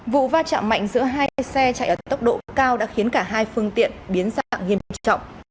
vụ va chạm mạnh giữa hai xe chạy ở tốc độ cao đã khiến cả hai phương tiện biến dạng nghiêm trọng